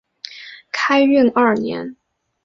开运二年。